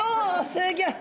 すギョい！